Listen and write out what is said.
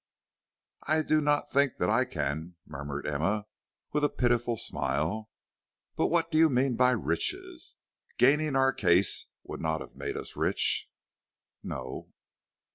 "I do not think that I can," murmured Emma, with a pitiful smile. "But what do you mean by riches? Gaining our case would not have made us rich." "No."